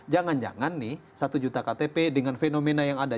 jangan jangan nih satu juta ktp dengan fenomena yang ada